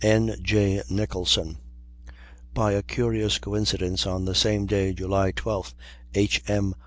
N. J. Nicholson. By a curious coincidence, on the same day, July 12th, H. M.